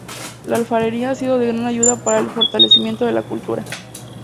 La alfarería ha sido de gran ayuda para el fortalecimiento de la cultura.